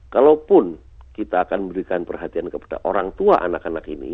kalaupun kita akan memberikan perhatian kepada orang tua anak anak ini